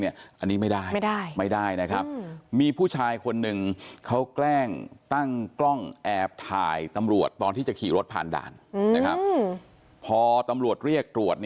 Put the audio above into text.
อันนี้ไม่ได้